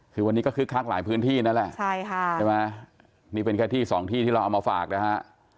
คือวันนี้ก็คึกคักหลายพื้นที่นั่นแหละใช่ค่ะใช่ไหมนี่เป็นแค่ที่สองที่ที่เราเอามาฝากนะฮะ